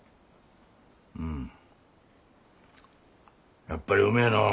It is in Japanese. うんやっぱりうめえのう。